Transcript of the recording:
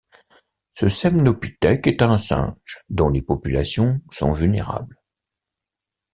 Ce semnopithèque est un singe dont les populations sont vulnérables.